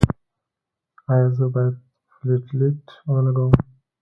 ایا زه باید پلیټلیټ ولګوم؟